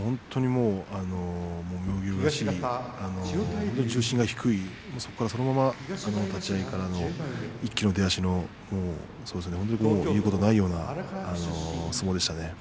妙義龍らしい重心が低いそのまま立ち合いからの一気の出足言うことがないような相撲でしたね。